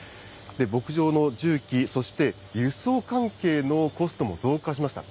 牧場の重機、そして輸送関係のコストも増加しました。